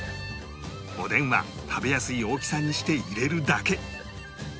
おでんは食べやすい大きさにして入れるだけ